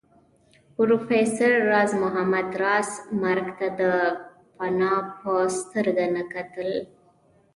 پروفېسر راز محمد راز مرګ ته د فناء په سترګه نه کتل